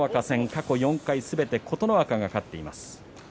過去４回すべて琴ノ若が勝っています。